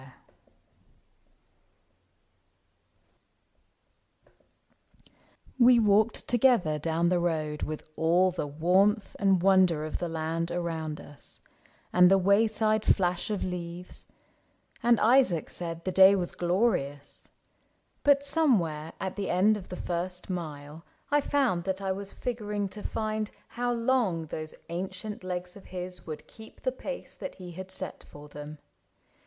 86 ISAAC AND ARCHIBALD We walked together down the River Road With all the warmth and wonder of the land Around us, and the wayside flash of leaves, — And Isaac said the day was glorious ; But somewhere at the end of the first mile I found that I was figuring to find How long those ancient legs of his would keep The pace that he had set for them.